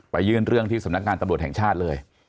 ยื่นเรื่องที่สำนักงานตำรวจแห่งชาติเลย